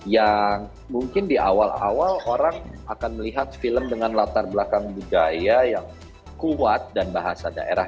yang mungkin di awal awal orang akan melihat film dengan latar belakang budaya yang kuat dan bahasa daerah